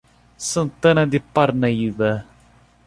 Santana de Parnaíba